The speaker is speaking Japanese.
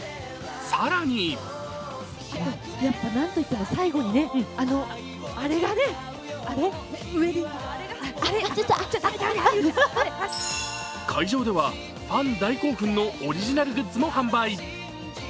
更に会場ではファン大興奮のオリジナルグッズも販売。